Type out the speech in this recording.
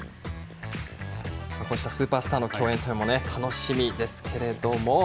こうしたスーパースターの競演も楽しみですけれども。